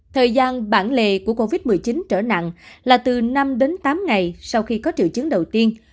thời gian bản lề của covid một mươi chín trở nặng là từ năm đến tám ngày sau khi có triệu chứng đầu tiên